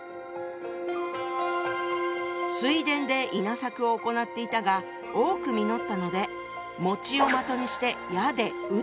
水田で稲作を行っていたが多く実ったのでを的にして矢でうった。